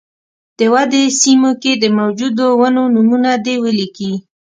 د ودې سیمو کې د موجودو ونو نومونه دې ولیکي.